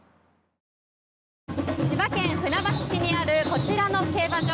千葉県船橋市にあるこちらの競馬場。